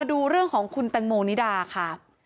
มาดูเรื่องของคุณตังโมนิดาครับ